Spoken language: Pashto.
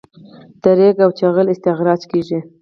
د ریګ او جغل استخراج کیږي